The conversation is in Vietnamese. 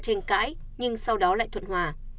tranh cãi nhưng sau đó lại thuận hòa